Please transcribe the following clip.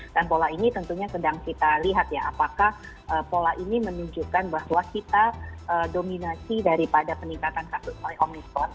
dan pola ini tentunya sedang kita lihat ya apakah pola ini menunjukkan bahwa kita dominasi daripada peningkatan kasus oleh omicron